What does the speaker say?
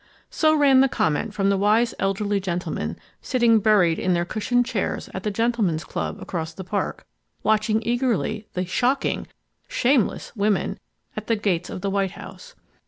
... So ran the comment from the wise elderly gentlemen sitting buried in their cushioned chairs at the gentlemen's club across the Park, watching eagerly the "shocking," "shameless" women at the gates of the White House.